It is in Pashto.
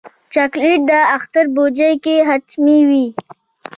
چاکلېټ د اختر بوجۍ کې حتمي وي.